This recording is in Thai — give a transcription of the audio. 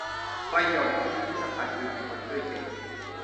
ประโยชน์ของพิพิธภัณฑ์คือ มีคนช่วยเก็บ